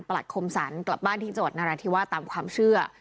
ประหลักคมสรรค์กลับบ้านที่จังหวัดนาราธิวะตามความเชื่อ